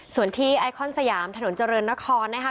ส่วนที่ไอคอนสยามถนนเจริญนครนะคะ